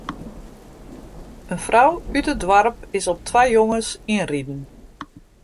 In frou út it doarp is op twa jonges ynriden.